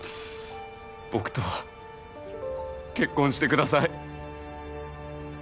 僕と結婚してください。